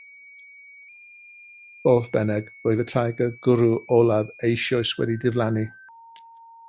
Fodd bynnag, roedd y teigr gwryw olaf eisoes wedi diflannu.